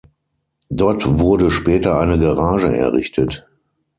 Dort wurde später eine Garage errichtet.